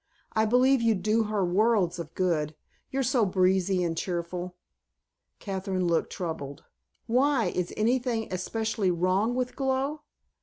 I believe you'd do her worlds of good. You're so breezy and cheerful." Kathryn looked troubled. "Why, is anything especially wrong with Glow?"